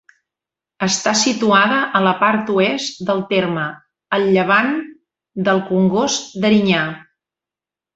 Està situada a la part oest del terme, al llevant del Congost d'Erinyà.